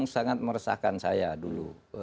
sangat meresahkan saya dulu